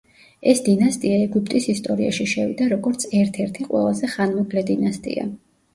ეს დინასტია ეგვიპტის ისტორიაში შევიდა როგორც ერთ-ერთი ყველაზე ხანმოკლე დინასტია.